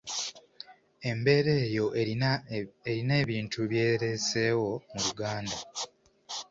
Embeera eyo erina ebintu by’ereseewo mu Luganda